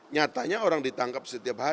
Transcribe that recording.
nyatanya orang ditangkap